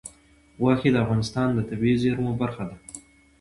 غوښې د افغانستان د طبیعي زیرمو برخه ده.